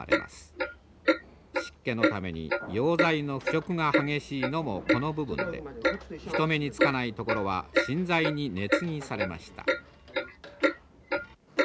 湿気のために用材の腐食が激しいのもこの部分で人目につかない所は新材に根継されました。